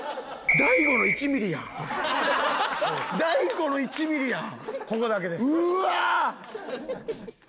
大悟の１ミリだ。